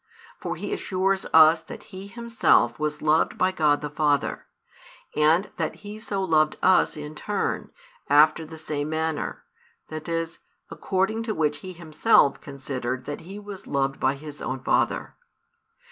For He assures us that He Himself was loved by God the Father, and that He so loved us in turn, after the same manner, that is, according to which He Himself considered that He was loved by His own Father.